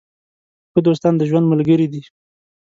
ښه دوستان د ژوند ملګري دي.